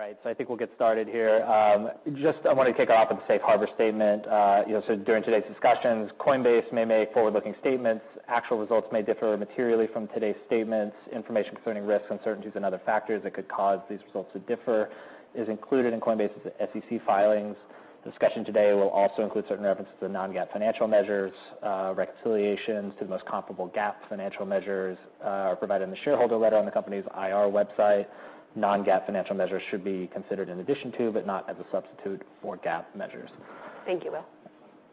All right, so I think we'll get started here. Just I wanted to kick it off with a safe harbor statement. You know, so during today's discussions, Coinbase may make forward-looking statements. Actual results may differ materially from today's statements. Information concerning risks, uncertainties, and other factors that could cause these results to differ is included in Coinbase's SEC filings. Discussion today will also include certain references to non-GAAP financial measures. Reconciliations to the most comparable GAAP financial measures are provided in the shareholder letter on the company's IR website. Non-GAAP financial measures should be considered in addition to, but not as a substitute for GAAP measures. Thank you, Will.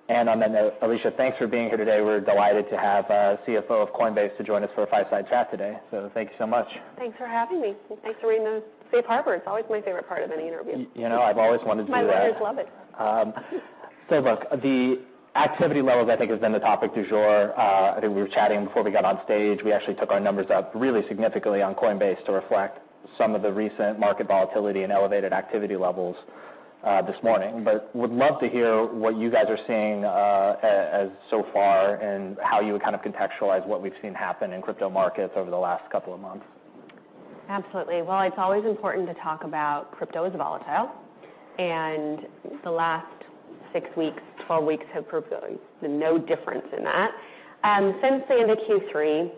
On that note, Alesia, thanks for being here today. We're delighted to have CFO of Coinbase to join us for a Fireside Chat today. Thank you so much. Thanks for having me, and thanks for reading the Safe Harbor. It's always my favorite part of any interview. You know, I've always wanted to do that. My lawyers love it. So look, the activity levels, I think, has been the topic du jour. I think we were chatting before we got on stage. We actually took our numbers up really significantly on Coinbase to reflect some of the recent market volatility and elevated activity levels this morning. But would love to hear what you guys are seeing as so far, and how you would kind of contextualize what we've seen happen in crypto markets over the last couple of months. Absolutely. Well, it's always important to talk about crypto as volatile, and the last 6 weeks, 12 weeks have proved no difference in that. Since the end of Q3,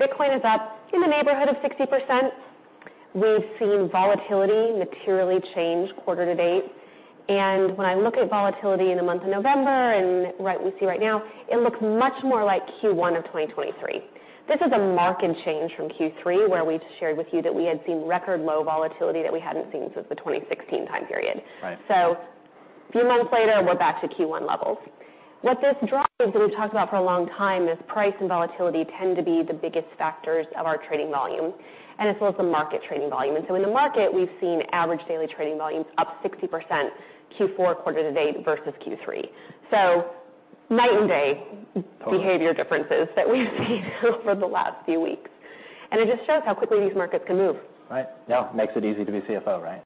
Bitcoin is up in the neighborhood of 60%. We've seen volatility materially change quarter to date. And when I look at volatility in the month of November and what we see right now, it looks much more like Q1 of 2023. This is a marked change from Q3, where we've shared with you that we had seen record low volatility that we hadn't seen since the 2016 time period. Right. A few months later, we're back to Q1 levels. What this drives, and we've talked about for a long time, is price and volatility tend to be the biggest factors of our trading volume and as well as the market trading volume. In the market, we've seen average daily trading volumes up 60% Q4 quarter to date versus Q3. Night and day- Oh. behavior differences that we've seen over the last few weeks. It just shows how quickly these markets can move. Right. Now, makes it easy to be CFO, right?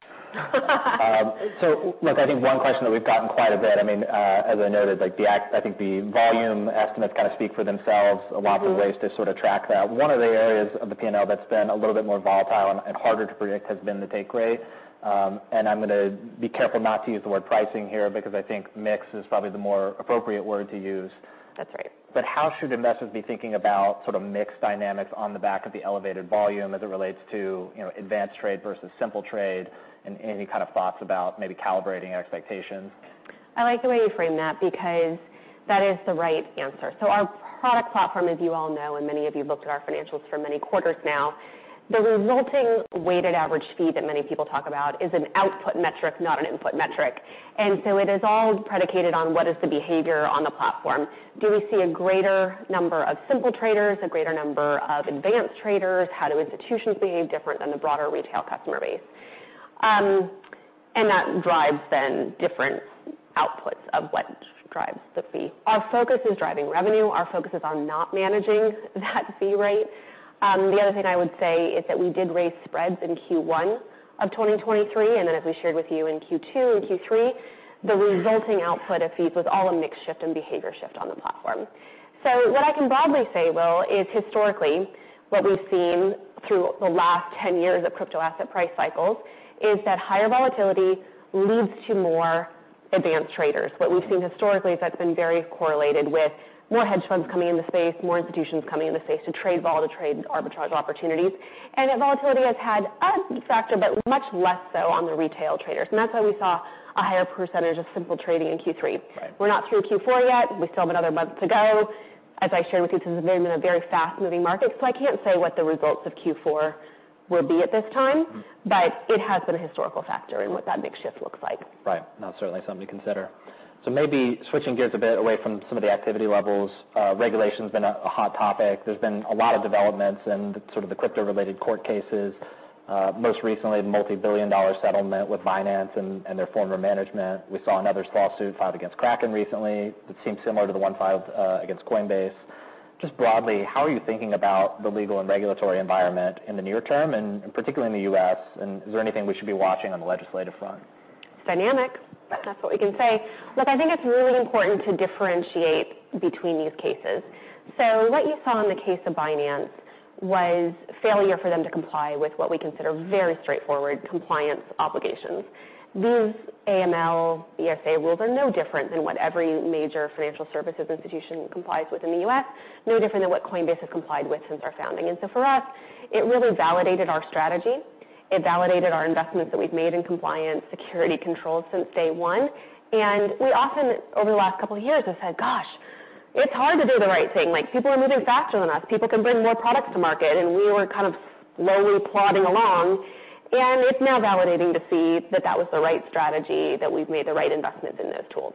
So look, I think one question that we've gotten quite a bit, I mean, as I noted, like, I think the volume estimates kind of speak for themselves. Lots of ways to sort of track that. One of the areas of the P&L that's been a little bit more volatile and harder to predict has been the take rate. And I'm gonna be careful not to use the word pricing here because I think mix is probably the more appropriate word to use. That's right. How should investors be thinking about sort of mix dynamics on the back of the elevated volume as it relates to, you know, advanced trade versus simple trade? Any kind of thoughts about maybe calibrating expectations? I like the way you framed that because that is the right answer. Our product platform, as you all know, and many of you looked at our financials for many quarters now, the resulting weighted average fee that many people talk about is an output metric, not an input metric. So it is all predicated on what is the behavior on the platform. Do we see a greater number of simple traders, a greater number of advanced traders? How do institutions behave different than the broader retail customer base? And that drives then different outputs of what drives the fee. Our focus is driving revenue. Our focus is on not managing that fee rate. The other thing I would say is that we did raise spreads in Q1 of 2023, and then, as we shared with you in Q2 and Q3, the resulting output of fees was all a mix shift and behavior shift on the platform. So what I can broadly say, Will, is historically, what we've seen through the last 10 years of crypto asset price cycles is that higher volatility leads to more advanced traders. What we've seen historically is that's been very correlated with more hedge funds coming in the space, more institutions coming in the space to trade volatility, arbitrage opportunities. And that volatility has had a factor, but much less so on the retail traders, and that's why we saw a higher percentage of simple trading in Q3. Right. We're not through Q4 yet. We still have another month to go. As I shared with you, this has been a very fast-moving market, so I can't say what the results of Q4 will be at this time. But it has been a historical factor in what that mix shift looks like. Right. That's certainly something to consider. So maybe switching gears a bit away from some of the activity levels, regulation's been a hot topic. There's been a lot of developments in the sort of the crypto-related court cases. Most recently, the multi-billion dollar settlement with Binance and their former management. We saw another lawsuit filed against Kraken recently that seemed similar to the one filed against Coinbase. Just broadly, how are you thinking about the legal and regulatory environment in the near term, and particularly in the U.S., and is there anything we should be watching on the legislative front? It's dynamic. That's what we can say. Look, I think it's really important to differentiate between these cases. So what you saw in the case of Binance was failure for them to comply with what we consider very straightforward compliance obligations. These AML BSA rules are no different than what every major financial services institution complies with in the U.S., no different than what Coinbase has complied with since our founding. And so for us, it really validated our strategy. It validated our investments that we've made in compliance, security controls since day one, and we often, over the last couple of years, have said: Gosh, it's hard to do the right thing. Like, people are moving faster than us. People can bring more products to market, and we were kind of slowly plodding along, and it's now validating to see that that was the right strategy, that we've made the right investments in those tools.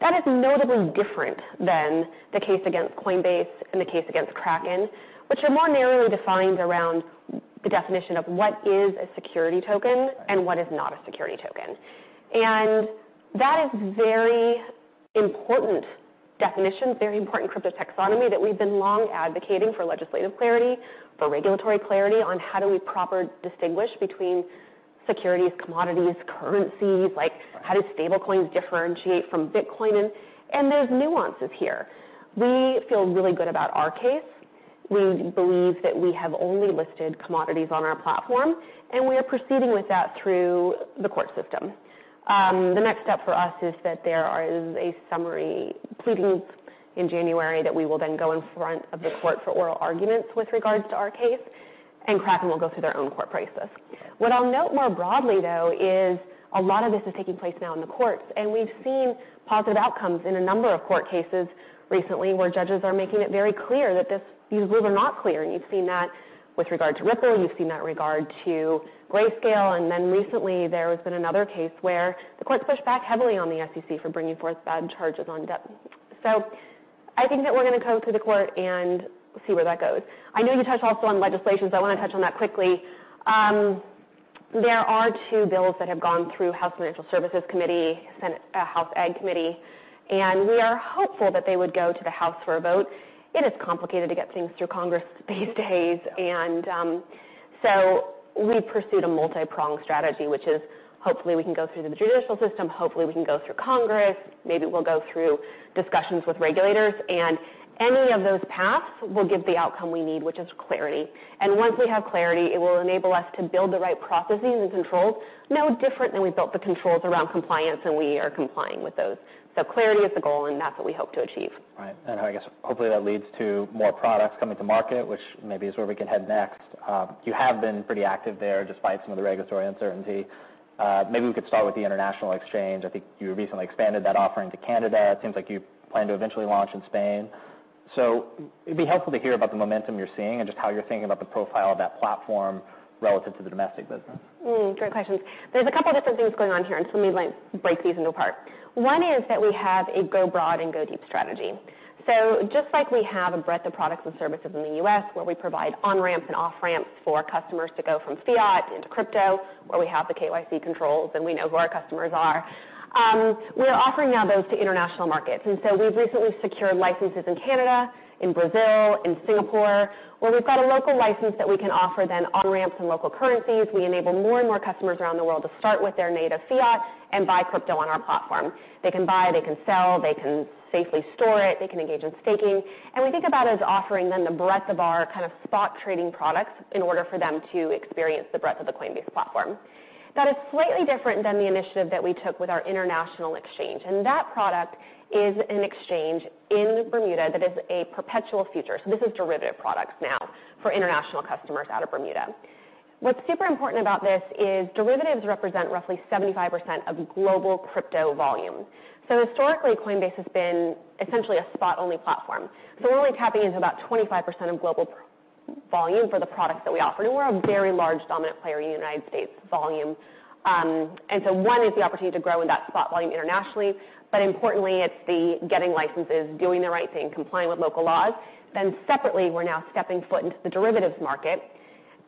That is notably different than the case against Coinbase and the case against Kraken, which are more narrowly defined around the definition of what is a security token. Right ...and what is not a security token. That is very important definition, very important crypto taxonomy that we've been long advocating for legislative clarity, for regulatory clarity on how do we proper distinguish between securities, commodities, currencies? Right. Like, how do Stablecoins differentiate from Bitcoin? And, and there's nuances here. We feel really good about our case. We believe that we have only listed commodities on our platform, and we are proceeding with that through the court system. The next step for us is that there is a summary pleadings in January, that we will then go in front of the court for oral arguments with regards to our case, and Kraken will go through their own court process. What I'll note more broadly, though, is a lot of this is taking place now in the courts, and we've seen positive outcomes in a number of court cases recently, where judges are making it very clear that this, these rules are not clear. You've seen that with regard to Ripple, you've seen that regard to Grayscale, and then recently, there has been another case where the court pushed back heavily on the SEC for bringing forth bad charges on DEBT. I think that we're going to go through the court and see where that goes. I know you touched also on legislation, so I want to touch on that quickly. There are two bills that have gone through House Financial Services Committee, Senate, House Ag Committee, and we are hopeful that they would go to the House for a vote. It is complicated to get things through Congress these days, and so we pursued a multi-pronged strategy, which is, hopefully, we can go through the judicial system, hopefully, we can go through Congress, maybe we'll go through discussions with regulators, and any of those paths will give the outcome we need, which is clarity. Once we have clarity, it will enable us to build the right processes and controls, no different than we built the controls around compliance, and we are complying with those. Clarity is the goal, and that's what we hope to achieve. Right. And I guess, hopefully, that leads to more products coming to market, which maybe is where we can head next. You have been pretty active there, despite some of the regulatory uncertainty. Maybe we could start with the international exchange. I think you recently expanded that offering to Canada. It seems like you plan to eventually launch in Spain. So it'd be helpful to hear about the momentum you're seeing and just how you're thinking about the profile of that platform relative to the domestic business. Hmm, great questions. There's a couple different things going on here, and so let me like, break these apart. One is that we have a go broad and go deep strategy. So just like we have a breadth of products and services in the U.S., where we provide on-ramps and off-ramps for customers to go from fiat into crypto, where we have the KYC controls, and we know who our customers are, we are offering now those to international markets. And so we've recently secured licenses in Canada, in Brazil, in Singapore, where we've got a local license that we can offer them on-ramps and local currencies. We enable more and more customers around the world to start with their native fiat and buy crypto on our platform. They can buy, they can sell, they can safely store it, they can engage in staking, and we think about it as offering them the breadth of our kind of spot trading products in order for them to experience the breadth of the Coinbase platform. That is slightly different than the initiative that we took with our international exchange, and that product is an exchange in Bermuda that is a perpetual futures. This is derivative products now for international customers out of Bermuda. What's super important about this is derivatives represent roughly 75% of global crypto volume. Historically, Coinbase has been essentially a spot-only platform, so we're only tapping into about 25% of global volume for the products that we offer, and we're a very large, dominant player in the United States volume. And so one is the opportunity to grow in that spot volume internationally, but importantly, it's the getting licenses, doing the right thing, complying with local laws. Then separately, we're now stepping foot into the derivatives market,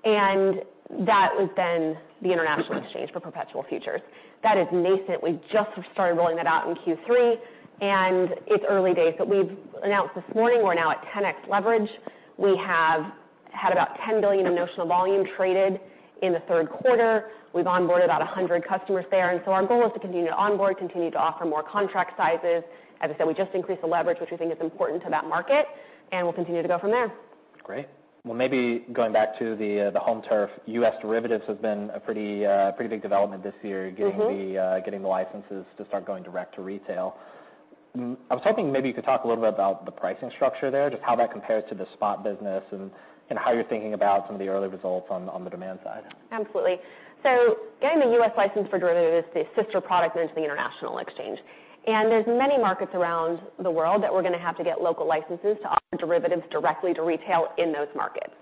and that is then the international exchange for perpetual futures. That is nascent. We just started rolling that out in Q3, and it's early days. But we've announced this morning, we're now at 10x leverage. We have had about $10 billion in notional volume traded in the third quarter. We've onboarded about 100 customers there, and so our goal is to continue to onboard, continue to offer more contract sizes. As I said, we just increased the leverage, which we think is important to that market, and we'll continue to go from there. Great. Well, maybe going back to the home turf, U.S. derivatives have been a pretty, pretty big development this year.... getting the licenses to start going direct to retail. Mm, I was hoping maybe you could talk a little bit about the pricing structure there, just how that compares to the spot business and how you're thinking about some of the early results on the demand side. Absolutely. So getting a U.S. license for derivatives, the sister product into the international exchange. And there's many markets around the world that we're going to have to get local licenses to offer derivatives directly to retail in those markets.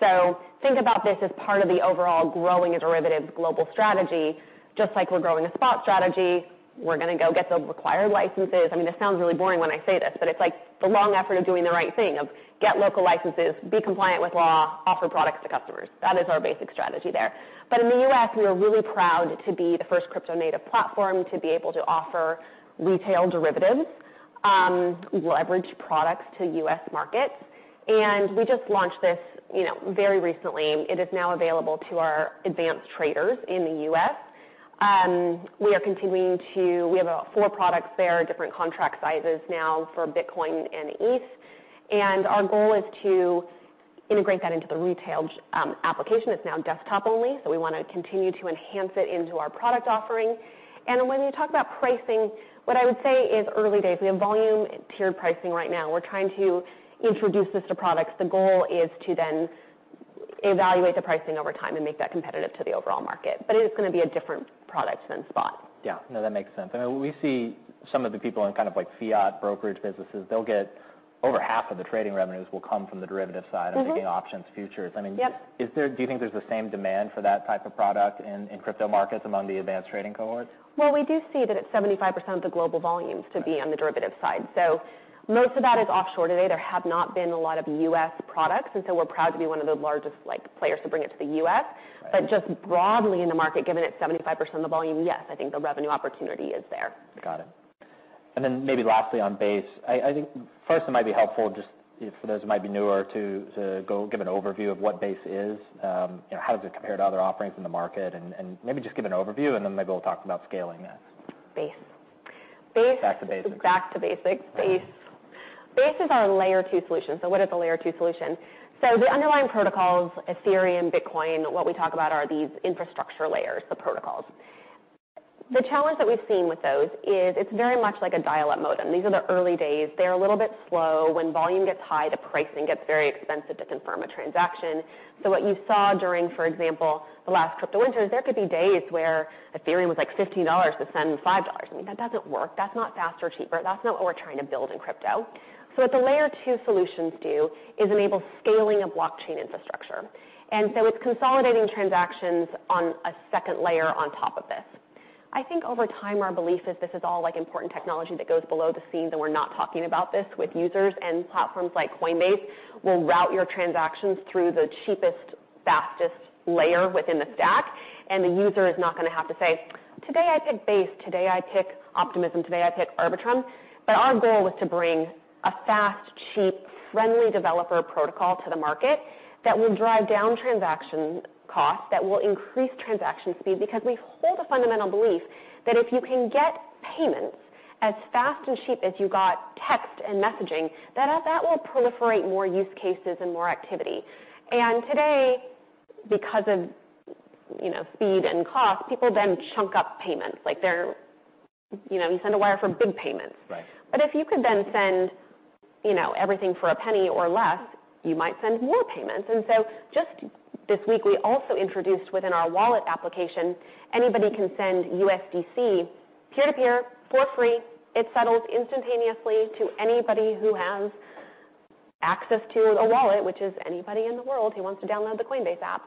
So think about this as part of the overall growing a derivatives global strategy. Just like we're growing a spot strategy, we're going to go get the required licenses. I mean, this sounds really boring when I say this, but it's like the long effort of doing the right thing, of get local licenses, be compliant with law, offer products to customers. That is our basic strategy there. But in the U.S., we are really proud to be the first crypto native platform to be able to offer retail derivatives, leverage products to U.S. markets, and we just launched this, you know, very recently. It is now available to our advanced traders in the U.S. We are continuing to. We have about four products there, different contract sizes now for Bitcoin and ETH, and our goal is to integrate that into the retail application. It's now desktop only, so we want to continue to enhance it into our product offering. And when you talk about pricing, what I would say is early days. We have volume tiered pricing right now. We're trying to introduce this to products. The goal is to then evaluate the pricing over time and make that competitive to the overall market, but it is going to be a different product than spot. Yeah. No, that makes sense. I know we see some of the people in kind of like fiat brokerage businesses, they'll get over half of the trading revenues will come from the derivative side-... I'm thinking options, futures. I mean- Yep. Is there... Do you think there's the same demand for that type of product in, in crypto markets among the advanced trading cohorts? Well, we do see that it's 75% of the global volumes to be on the derivative side. So most of that is offshore today. There have not been a lot of U.S. products, and so we're proud to be one of the largest, like, players to bring it to the U.S.. Right. Just broadly in the market, given it's 75% of the volume, yes, I think the revenue opportunity is there. Got it. And then maybe lastly, on Base. I think first it might be helpful just if for those who might be newer to go give an overview of what Base is. You know, how does it compare to other offerings in the market? And maybe just give an overview, and then maybe we'll talk about scaling that. Base.... Back to basics. Back to basics, Base. Base is our Layer Two solution. So what is a Layer Two solution? So the underlying protocols, Ethereum, Bitcoin, what we talk about are these infrastructure layers, the protocols. The challenge that we've seen with those is it's very much like a dial-up modem. These are the early days. They're a little bit slow. When volume gets high, the pricing gets very expensive to confirm a transaction. So what you saw during, for example, the last crypto winter, is there could be days where Ethereum was, like, $15 to send $5. I mean, that doesn't work. That's not faster or cheaper. That's not what we're trying to build in crypto. So what the Layer Two solutions do is enable scaling of blockchain infrastructure, and so it's consolidating transactions on a second layer on top of this. I think over time, our belief is this is all, like, important technology that goes below the scenes, and we're not talking about this with users. And platforms like Coinbase will route your transactions through the cheapest, fastest layer within the stack, and the user is not going to have to say, "Today, I pick Base. Today, I pick Optimism. Today, I pick Arbitrum." But our goal was to bring a fast, cheap, friendly developer protocol to the market that will drive down transaction costs, that will increase transaction speed. Because we hold a fundamental belief that if you can get payments as fast and cheap as you got text and messaging, that, that will proliferate more use cases and more activity. And today, because of, you know, speed and cost, people then chunk up payments. Like, they're, you know, you send a wire for big payments. Right. But if you could then send, you know, everything for a penny or less, you might send more payments. And so just this week, we also introduced within our wallet application, anybody can send USDC peer-to-peer for free. It settles instantaneously to anybody who has access to a wallet, which is anybody in the world who wants to download the Coinbase app.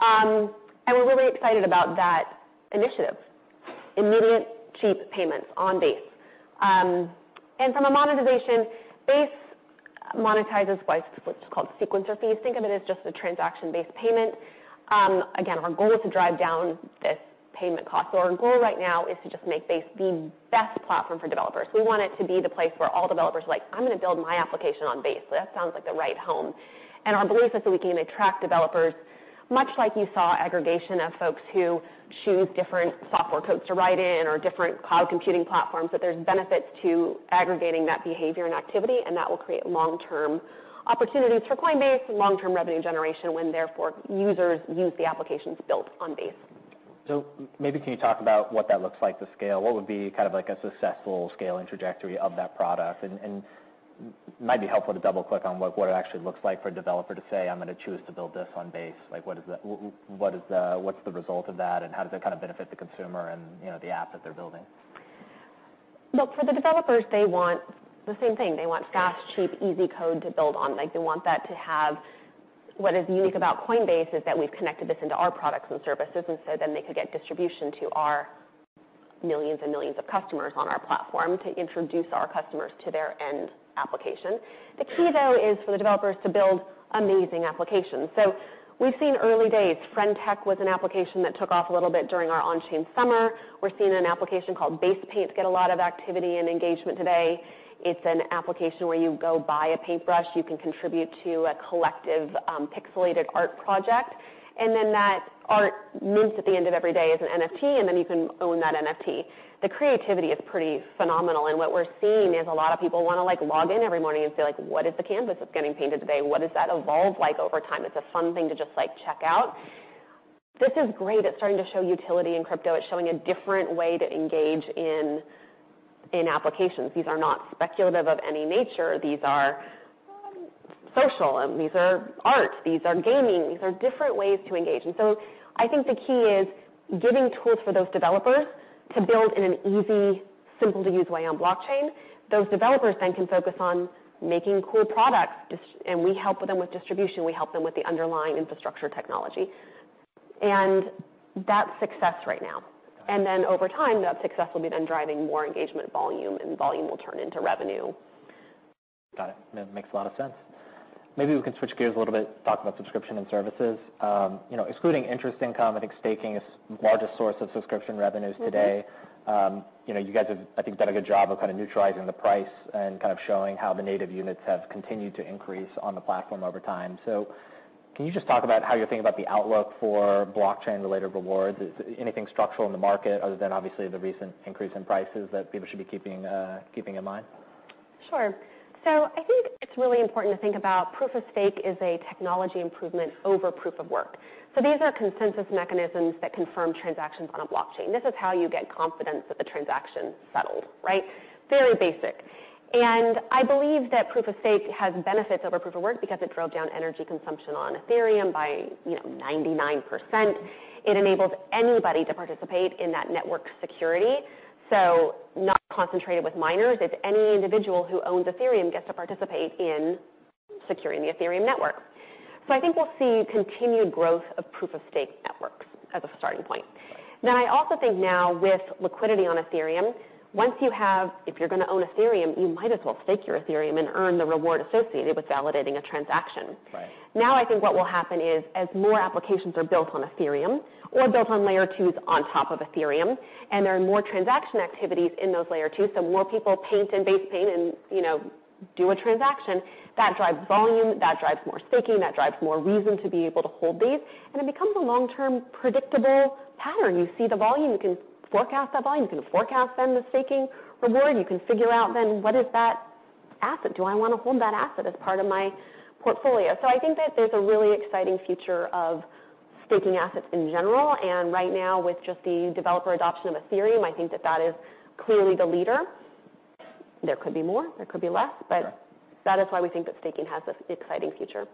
And we're really excited about that initiative. Immediate, cheap payments on Base. And from a monetization, Base monetizes what's, what's called sequencer fees. Think of it as just a transaction-based payment. Again, our goal is to drive down this payment cost. So our goal right now is to just make Base the best platform for developers. We want it to be the place where all developers are like: "I'm going to build my application on Base. So that sounds like the right home." Our belief is that we can attract developers, much like you saw aggregation of folks who choose different software codes to write in or different cloud computing platforms, that there's benefits to aggregating that behavior and activity, and that will create long-term opportunities for Coinbase and long-term revenue generation when therefore users use the applications built on Base. So maybe can you talk about what that looks like to scale? What would be kind of like a successful scaling trajectory of that product? And it might be helpful to double-click on what it actually looks like for a developer to say, "I'm going to choose to build this on Base." Like, what is the... what's the result of that, and how does it kind of benefit the consumer and, you know, the app that they're building? Look, for the developers, they want the same thing. They want fast, cheap, easy code to build on. Like, they want that to have... What is unique about Coinbase is that we've connected this into our products and services, and so then they could get distribution to our millions and millions of customers on our platform to introduce our customers to their end application. The key, though, is for the developers to build amazing applications. So we've seen early days. Friend.tech was an application that took off a little bit during our Onchain Summer. We're seeing an application called BasePaints get a lot of activity and engagement today. It's an application where you go buy a paintbrush, you can contribute to a collective, pixelated art project, and then that art mints at the end of every day as an NFT, and then you can own that NFT. The creativity is pretty phenomenal, and what we're seeing is a lot of people want to, like, log in every morning and see, like, what is the canvas that's getting painted today? What does that evolve like over time? It's a fun thing to just, like, check out. This is great. It's starting to show utility in crypto. It's showing a different way to engage in, in applications. These are not speculative of any nature. These are social, and these are art, these are gaming. These are different ways to engage. And so I think the key is giving tools for those developers to build in an easy, simple-to-use way on blockchain. Those developers then can focus on making cool products, and we help them with distribution, we help them with the underlying infrastructure technology. And that's success right now. And then over time, that success will be then driving more engagement volume, and volume will turn into revenue. Got it. That makes a lot of sense. Maybe we can switch gears a little bit, talk about subscription and services. You know, excluding interest income, I think staking is-... the largest source of subscription revenues today. You know, you guys have, I think, done a good job of kind of neutralizing the price and kind of showing how the native units have continued to increase on the platform over time. Can you just talk about how you're thinking about the outlook for blockchain-related rewards? Is anything structural in the market other than obviously the recent increase in prices that people should be keeping in mind? Sure. So I think it's really important to think about Proof of Stake is a technology improvement over Proof of Work. So these are consensus mechanisms that confirm transactions on a blockchain. This is how you get confidence that the transaction settled, right? Very basic. And I believe that Proof of Stake has benefits over Proof of Work because it drove down energy consumption on Ethereum by, you know, 99%. It enables anybody to participate in that network security, so not concentrated with miners. It's any individual who owns Ethereum gets to participate in securing the Ethereum network. So I think we'll see continued growth of proof-of-stake networks as a starting point. Right. Then I also think now with liquidity on Ethereum, if you're going to own Ethereum, you might as well stake your Ethereum and earn the reward associated with validating a transaction. Right. Now, I think what will happen is, as more applications are built on Ethereum or built on Layer Twos on top of Ethereum, and there are more transaction activities in those Layer Twos, so more people paint in Base Paint and, you know, do a transaction, that drives volume, that drives more staking, that drives more reason to be able to hold Base, and it becomes a long-term, predictable pattern. You see the volume, you can forecast that volume, you can forecast then the staking reward. You can figure out then, what is that asset? Do I want to hold that asset as part of my portfolio? So I think that there's a really exciting future of staking assets in general, and right now, with just the developer adoption of Ethereum, I think that that is clearly the leader. There could be more, there could be less, but- Sure. That is why we think that staking has an exciting future.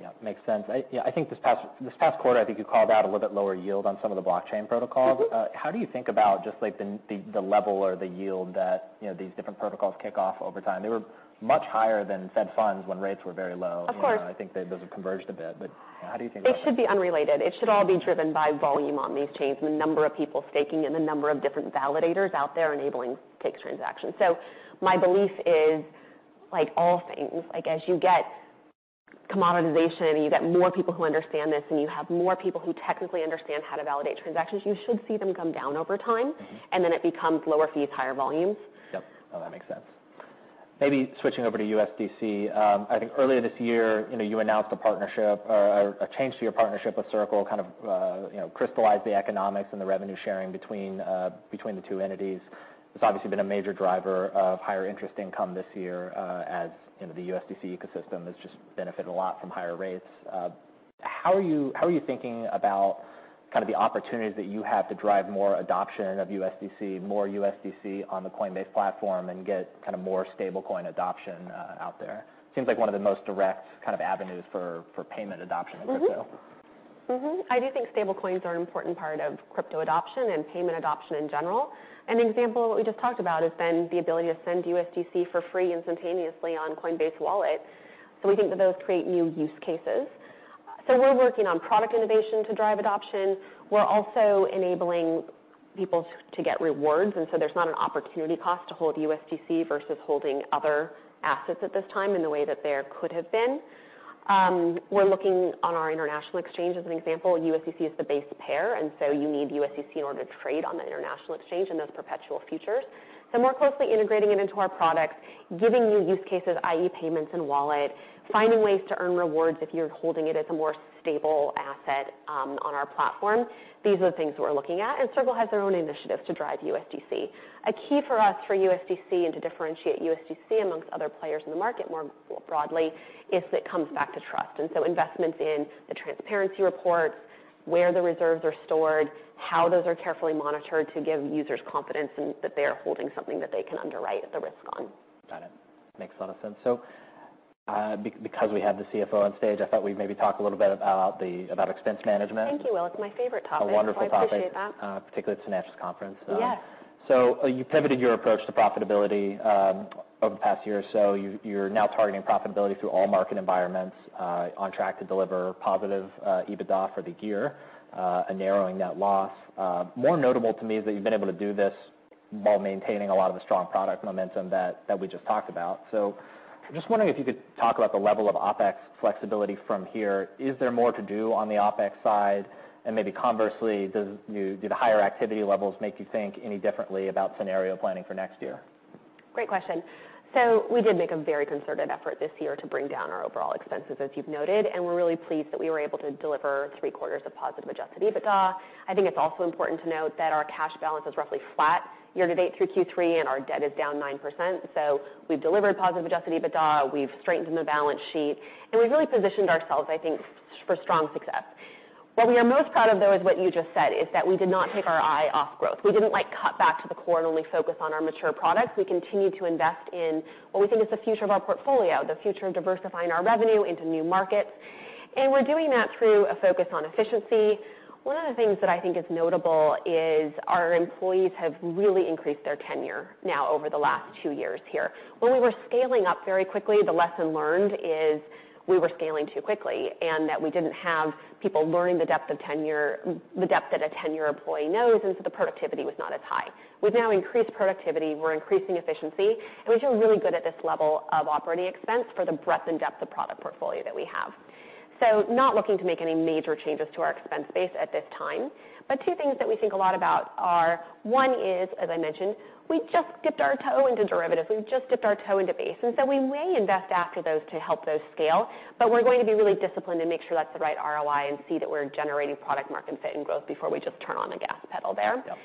Yeah, makes sense. Yeah, I think this past quarter, I think you called out a little bit lower yield on some of the blockchain protocols. How do you think about just, like, the level or the yield that, you know, these different protocols kick off over time? They were much higher than Fed funds when rates were very low. Of course. You know, I think that those have converged a bit, but how do you think about that? It should be unrelated. It should all be driven by volume on these chains, and the number of people staking, and the number of different validators out there enabling stake transactions. So my belief is, like all things, like, as you get commoditization, and you get more people who understand this, and you have more people who technically understand how to validate transactions, you should see them come down over time. And then it becomes lower fees, higher volumes. Yep. Oh, that makes sense. Maybe switching over to USDC. I think earlier this year, you know, you announced a partnership or a change to your partnership with Circle, kind of, you know, crystallize the economics and the revenue sharing between between the two entities. It's obviously been a major driver of higher interest income this year, as, you know, the USDC ecosystem has just benefited a lot from higher rates. How are you thinking about kind of the opportunities that you have to drive more adoption of USDC, more USDC on the Coinbase platform, and get kind of more stablecoin adoption out there? Seems like one of the most direct kind of avenues for payment adoption in crypto. Mm-hmm. Mm-hmm. I do think stablecoins are an important part of crypto adoption and payment adoption in general. An example of what we just talked about is then the ability to send USDC for free instantaneously on Coinbase Wallet, so we think that those create new use cases. So we're working on product innovation to drive adoption. We're also enabling people to get rewards, and so there's not an opportunity cost to hold USDC versus holding other assets at this time in the way that there could have been. We're looking on our international exchange, as an example, USDC is the base pair, and so you need USDC in order to trade on the international exchange and those perpetual futures. So more closely, integrating it into our products, giving new use cases, i.e., payments and wallet, finding ways to earn rewards if you're holding it as a more stable asset on our platform. These are the things we're looking at, and Circle has their own initiatives to drive USDC. A key for us, for USDC, and to differentiate USDC among other players in the market more broadly, is it comes back to trust, and so investments in the transparency reports, where the reserves are stored, how those are carefully monitored to give users confidence and that they are holding something that they can underwrite the risk on. Got it. Makes a lot of sense. So, because we have the CFO on stage, I thought we'd maybe talk a little bit about the, about expense management. Thank you, Will. It's my favorite topic. A wonderful topic. I appreciate that. Particularly it's a financial conference. Yes. So, you pivoted your approach to profitability over the past year or so. You're now targeting profitability through all market environments, on track to deliver positive EBITDA for the year, a narrowing net loss. More notable to me is that you've been able to do this while maintaining a lot of the strong product momentum that we just talked about. So I'm just wondering if you could talk about the level of OpEx flexibility from here. Is there more to do on the OpEx side? And maybe conversely, do the higher activity levels make you think any differently about scenario planning for next year? Great question. So we did make a very concerted effort this year to bring down our overall expenses, as you've noted, and we're really pleased that we were able to deliver three quarters of positive adjusted EBITDA. I think it's also important to note that our cash balance is roughly flat year to date through Q3, and our debt is down 9%. So we've delivered positive adjusted EBITDA, we've strengthened the balance sheet, and we've really positioned ourselves, I think, for strong success. What we are most proud of, though, is what you just said, is that we did not take our eye off growth. We didn't, like, cut back to the core and only focus on our mature products. We continued to invest in what we think is the future of our portfolio, the future of diversifying our revenue into new markets, and we're doing that through a focus on efficiency. One of the things that I think is notable is our employees have really increased their tenure now over the last two years here. When we were scaling up very quickly, the lesson learned is we were scaling too quickly, and that we didn't have people learning the depth of tenure, the depth that a tenure employee knows, and so the productivity was not as high. We've now increased productivity, we're increasing efficiency, and we feel really good at this level of operating expense for the breadth and depth of product portfolio that we have. So not looking to make any major changes to our expense base at this time, but two things that we think a lot about are, one is, as I mentioned, we just dipped our toe into derivatives. We've just dipped our toe into Base, and so we may invest after those to help those scale, but we're going to be really disciplined and make sure that's the right ROI and see that we're generating product market fit and growth before we just turn on the gas pedal there. Yep.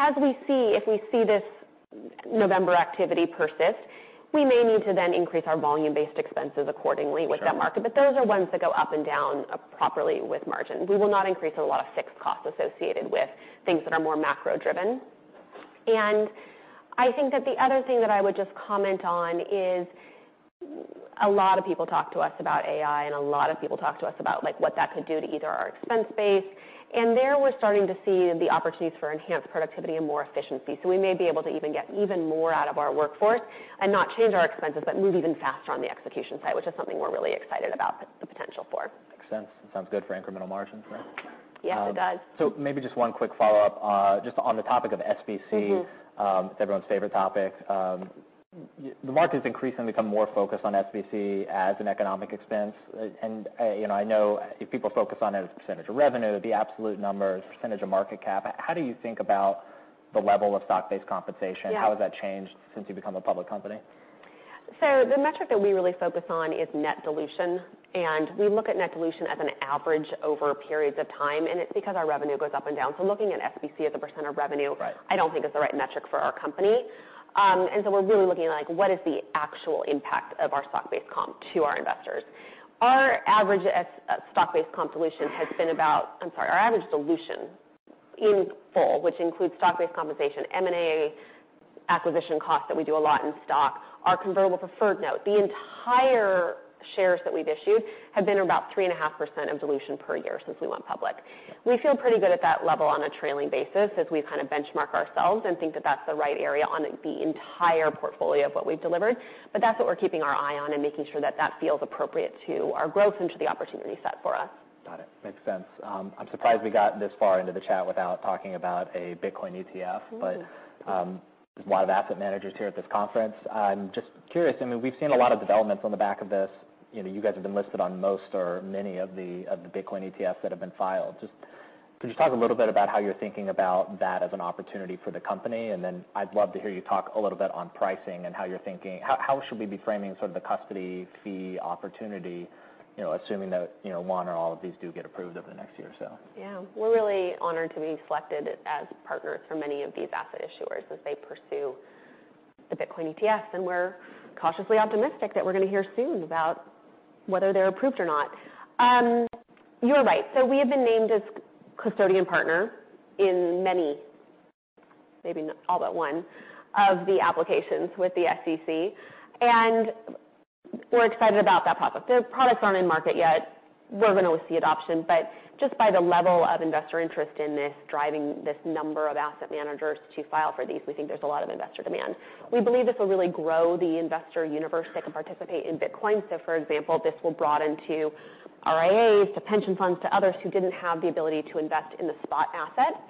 If we see this November activity persist, we may need to then increase our volume-based expenses accordingly. Sure. -with that market. But those are ones that go up and down properly with margin. We will not increase a lot of fixed costs associated with things that are more macro-driven. And I think that the other thing that I would just comment on is a lot of people talk to us about AI, and a lot of people talk to us about, like, what that could do to either our expense base. And there, we're starting to see the opportunities for enhanced productivity and more efficiency. So we may be able to even get even more out of our workforce and not change our expenses, but move even faster on the execution side, which is something we're really excited about the potential for. Makes sense. It sounds good for incremental margins, right? Yes, it does. Maybe just one quick follow-up. Just on the topic of SBC- It's everyone's favorite topic. The market's increasingly become more focused on SBC as an economic expense. You know, I know people focus on it as a percentage of revenue, the absolute numbers, percentage of market cap. How do you think about the level of stock-based compensation? Yeah. How has that changed since you've become a public company?... The metric that we really focus on is net dilution, and we look at net dilution as an average over periods of time, and it's because our revenue goes up and down. Looking at SBC as a % of revenue. Right. I don't think is the right metric for our company. And so we're really looking at, like, what is the actual impact of our stock-based comp to our investors? Our average dilution in full, which includes stock-based compensation, M&A, acquisition costs that we do a lot in stock, our convertible preferred note, the entire shares that we've issued have been about 3.5% of dilution per year since we went public. We feel pretty good at that level on a trailing basis, as we kind of benchmark ourselves and think that that's the right area on the entire portfolio of what we've delivered. But that's what we're keeping our eye on and making sure that that feels appropriate to our growth and to the opportunity set for us. Got it. Makes sense. I'm surprised we got this far into the chat without talking about a Bitcoin ETF. But there's a lot of asset managers here at this conference. I'm just curious, I mean, we've seen a lot of developments on the back of this. You know, you guys have been listed on most or many of the Bitcoin ETFs that have been filed. Just, could you talk a little bit about how you're thinking about that as an opportunity for the company? And then I'd love to hear you talk a little bit on pricing and how you're thinking, how should we be framing sort of the custody fee opportunity, you know, assuming that, you know, one or all of these do get approved over the next year or so? Yeah. We're really honored to be selected as partners for many of these asset issuers as they pursue the Bitcoin ETFs, and we're cautiously optimistic that we're gonna hear soon about whether they're approved or not. You are right, so we have been named as custodian partner in many, maybe not all but one, of the applications with the SEC, and we're excited about that product. The products aren't in market yet. We're gonna always see adoption, but just by the level of investor interest in this, driving this number of asset managers to file for these, we think there's a lot of investor demand. We believe this will really grow the investor universe that can participate in Bitcoin. So, for example, this will broaden to RIAs, to pension funds, to others who didn't have the ability to invest in the spot asset,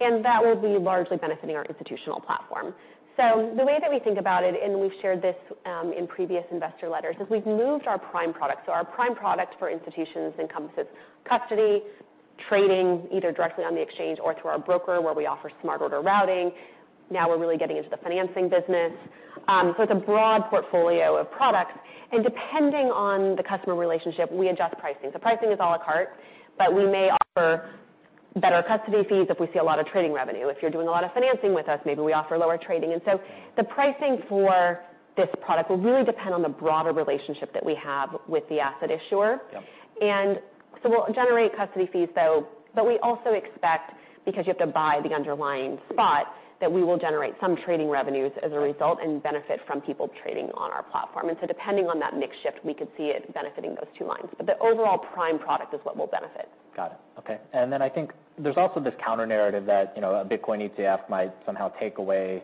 and that will be largely benefiting our institutional platform. So the way that we think about it, and we've shared this in previous investor letters, is we've moved our Prime product. So our Prime product for institutions encompasses custody, trading, either directly on the exchange or through our broker, where we offer smart order routing. Now we're really getting into the financing business. So it's a broad portfolio of products, and depending on the customer relationship, we adjust pricing. So pricing is à la carte, but we may offer better custody fees if we see a lot of trading revenue. If you're doing a lot of financing with us, maybe we offer lower trading. Yeah. The pricing for this product will really depend on the broader relationship that we have with the asset issuer. Yep. And so we'll generate custody fees, though, but we also expect, because you have to buy the underlying spot, that we will generate some trading revenues as a result- Right and benefit from people trading on our platform. And so depending on that mix shift, we could see it benefiting those two lines. But the overall Prime product is what will benefit. Got it. Okay. And then I think there's also this counter-narrative that, you know, a Bitcoin ETF might somehow take away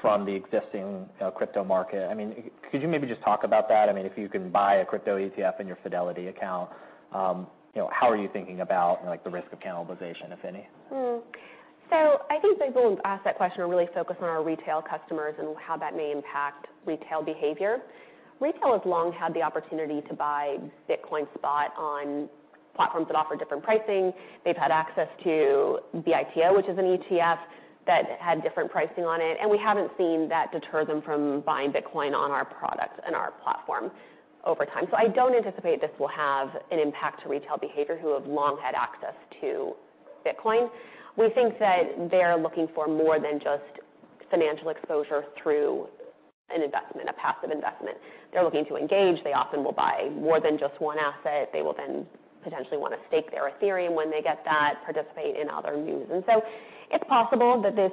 from the existing, crypto market. I mean, could you maybe just talk about that? I mean, if you can buy a crypto ETF in your Fidelity account, you know, how are you thinking about, like, the risk of cannibalization, if any? Hmm. So I think people who ask that question are really focused on our retail customers and how that may impact retail behavior. Retail has long had the opportunity to buy Bitcoin spot on platforms that offer different pricing. They've had access to BITO, which is an ETF that had different pricing on it, and we haven't seen that deter them from buying Bitcoin on our products and our platform over time. So I don't anticipate this will have an impact to retail behavior, who have long had access to Bitcoin. We think that they're looking for more than just financial exposure through an investment, a passive investment. They're looking to engage. They often will buy more than just one asset. They will then potentially want to stake their Ethereum when they get that, participate in other news. It's possible that this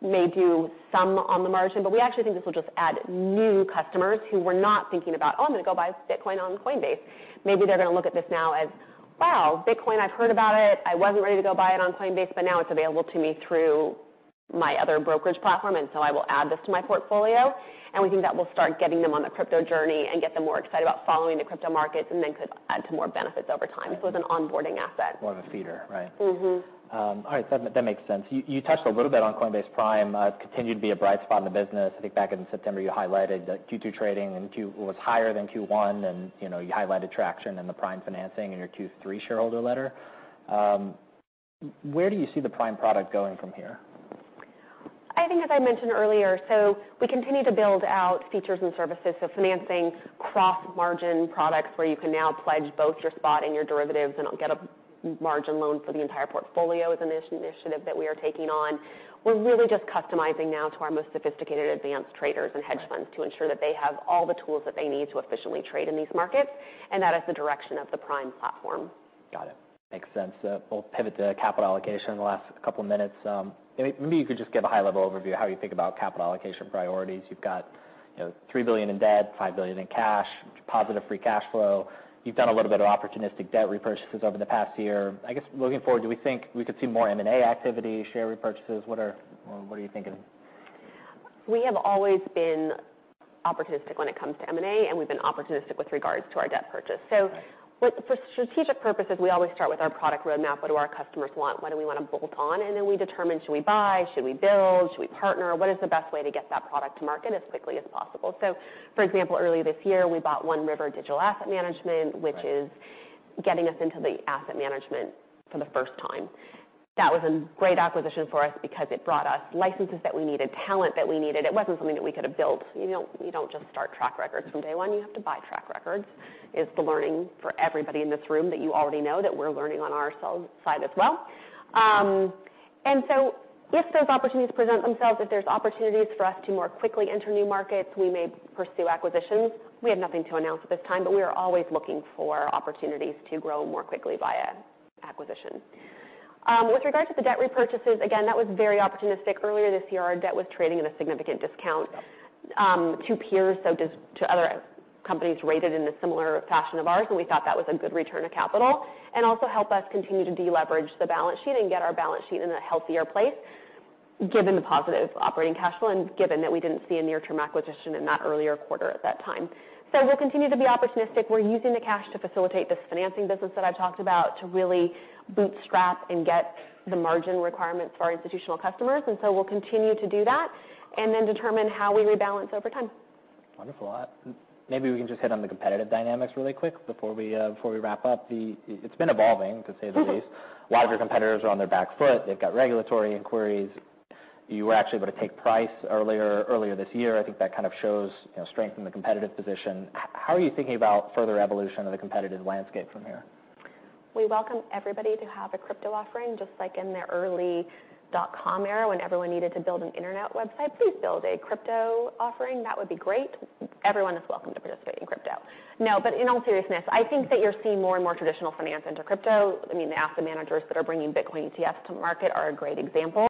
may do some on the margin, but we actually think this will just add new customers who were not thinking about, "Oh, I'm gonna go buy Bitcoin on Coinbase." Maybe they're gonna look at this now as, "Wow, Bitcoin, I've heard about it. I wasn't ready to go buy it on Coinbase, but now it's available to me through my other brokerage platform, and so I will add this to my portfolio." We think that will start getting them on the crypto journey and get them more excited about following the crypto markets and then could add to more benefits over time. Right. It's an onboarding asset. More of a feeder, right? All right. That makes sense. You touched a little bit on Coinbase Prime, continued to be a bright spot in the business. I think back in September, you highlighted that Q2 trading and Q3 was higher than Q1, and, you know, you highlighted traction in the Prime financing in your Q3 shareholder letter. Where do you see the Prime product going from here? I think, as I mentioned earlier, so we continue to build out features and services, so financing, cross-margin products, where you can now pledge both your spot and your derivatives and get a margin loan for the entire portfolio is an initiative that we are taking on. We're really just customizing now to our most sophisticated, advanced traders and hedge funds- Right to ensure that they have all the tools that they need to efficiently trade in these markets, and that is the direction of the Prime platform. Got it. Makes sense. We'll pivot to capital allocation in the last couple minutes. Maybe you could just give a high-level overview of how you think about capital allocation priorities. You've got, you know, $3 billion in debt, $5 billion in cash, positive free cash flow. You've done a little bit of opportunistic debt repurchases over the past year. I guess, looking forward, do we think we could see more M&A activity, share repurchases? What are... What are you thinking? We have always been opportunistic when it comes to M&A, and we've been opportunistic with regards to our debt purchase. Right. For strategic purposes, we always start with our product roadmap. What do our customers want? What do we want to build on? And then we determine, should we buy? Should we build? Should we partner? What is the best way to get that product to market as quickly as possible? So, for example, earlier this year, we bought One River Digital Asset Management- Right which is getting us into the asset management for the first time. That was a great acquisition for us because it brought us licenses that we needed, talent that we needed. It wasn't something that we could have built. You don't, you don't just start track records from day one, you have to buy track records, is the learning for everybody in this room that you already know, that we're learning on our side as well. And so if those opportunities present themselves, if there's opportunities for us to more quickly enter new markets, we may pursue acquisitions. We have nothing to announce at this time, but we are always looking for opportunities to grow more quickly via acquisition. With regard to the debt repurchases, again, that was very opportunistic. Earlier this year, our debt was trading at a significant discount to peers, so just to other companies rated in a similar fashion of ours, and we thought that was a good return of capital, and also help us continue to deleverage the balance sheet and get our balance sheet in a healthier place, given the positive operating cash flow, and given that we didn't see a near-term acquisition in that earlier quarter at that time. We'll continue to be opportunistic. We're using the cash to facilitate this financing business that I've talked about, to really bootstrap and get the margin requirements for our institutional customers, and so we'll continue to do that, and then determine how we rebalance over time. Wonderful. Maybe we can just hit on the competitive dynamics really quick before we, before we wrap up. It's been evolving, to say the least. A lot of your competitors are on their back foot. They've got regulatory inquiries. You were actually able to take price earlier this year. I think that kind of shows, you know, strength in the competitive position. How are you thinking about further evolution of the competitive landscape from here? We welcome everybody to have a crypto offering, just like in the early dot-com era, when everyone needed to build an internet website. Please build a crypto offering. That would be great. Everyone is welcome to participate in crypto. No, but in all seriousness, I think that you're seeing more and more traditional finance into crypto. I mean, the asset managers that are bringing Bitcoin ETFs to market are a great example.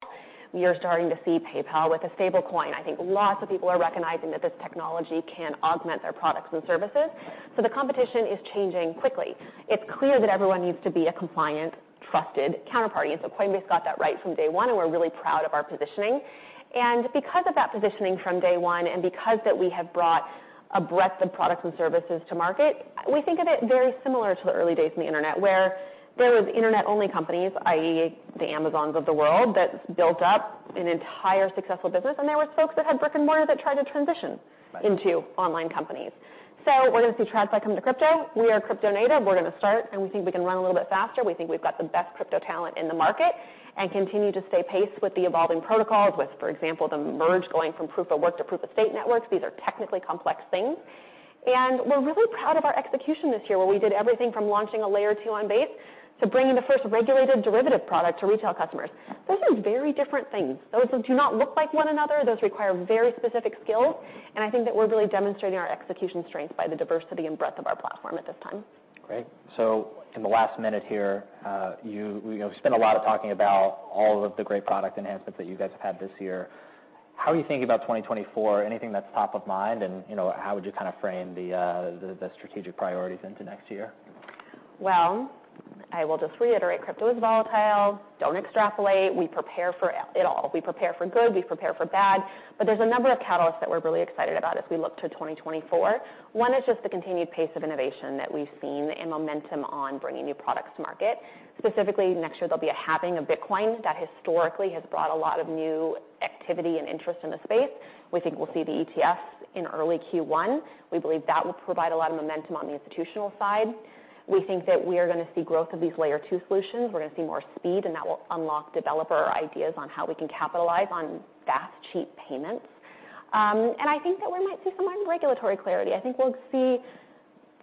We are starting to see PayPal with a Stablecoin. I think lots of people are recognizing that this technology can augment their products and services. So the competition is changing quickly. It's clear that everyone needs to be a compliant, trusted counterparty, and so Coinbase got that right from day one, and we're really proud of our positioning. Because of that positioning from day one, and because that we have brought a breadth of products and services to market, we think of it very similar to the early days of the internet, where there was internet-only companies, i.e., the Amazons of the world, that built up an entire successful business, and there were folks that had brick-and-mortar that tried to transition- Right. into online companies. So we're going to see TradFi come to crypto. We are crypto native. We're going to start, and we think we can run a little bit faster. We think we've got the best crypto talent in the market, and continue to stay paced with the evolving protocols, with, for example, the merge going from proof of work to proof of stake networks. These are technically complex things. And we're really proud of our execution this year, where we did everything from launching a Layer 2 on Base to bringing the first regulated derivative product to retail customers. Those are very different things. Those do not look like one another. Those require very specific skills, and I think that we're really demonstrating our execution strengths by the diversity and breadth of our platform at this time. Great. So in the last minute here, you, you know, spent a lot of talking about all of the great product enhancements that you guys have had this year. How are you thinking about 2024? Anything that's top of mind, and, you know, how would you kind of frame the, the, the strategic priorities into next year? Well, I will just reiterate, crypto is volatile. Don't extrapolate. We prepare for it all. We prepare for good, we prepare for bad, but there's a number of catalysts that we're really excited about as we look to 2024. One is just the continued pace of innovation that we've seen, and momentum on bringing new products to market. Specifically, next year there'll be a halving of Bitcoin. That historically has brought a lot of new activity and interest in the space. We think we'll see the ETFs in early Q1. We believe that will provide a lot of momentum on the institutional side. We think that we are gonna see growth of these layer two solutions. We're gonna see more speed, and that will unlock developer ideas on how we can capitalize on fast, cheap payments. And I think that we might see some regulatory clarity. I think we'll see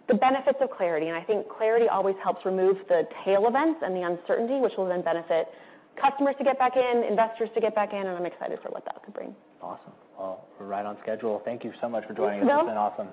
the benefits of clarity, and I think clarity always helps remove the tail events and the uncertainty, which will then benefit customers to get back in, investors to get back in, and I'm excited for what that could bring. Awesome. Well, we're right on schedule. Thank you so much for joining us. Thanks, Bill. It's been awesome.